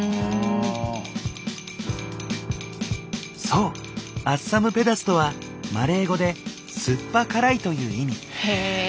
そうアッサムペダスとはマレー語で「酸っぱ辛い」という意味。